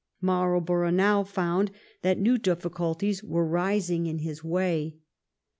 Marlborough now found that new difficulties were rising in his way.